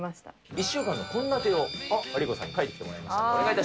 １週間の献立をカリー子さんに書いてきてもらいました。